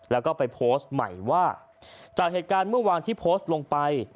แล้วก็ไปโพสต์ใหม่ว่าจากเหตุการณ์เมื่อวานที่โพสต์ลงไป